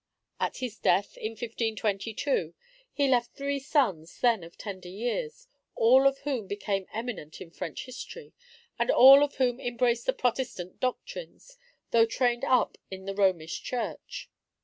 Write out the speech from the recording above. At his death, in 1522, he left three sons, then of tender years, all of whom became eminent in French history, and all of whom embraced the Protestant doctrines, though trained up in the Romish Church.